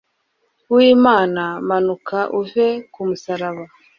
w imana manuka uve ku musaraba